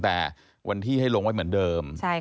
แต่วันที่ให้ลงไว้เหมือนเดิม